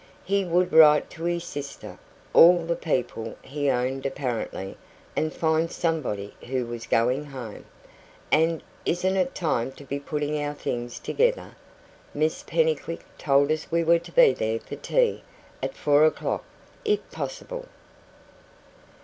He would write to his sister all the 'people' he owned apparently and find somebody who was going home; and "Isn't it time to be putting our things together? Miss Pennycuick told us we were to be there for tea at four o'clock, if possible."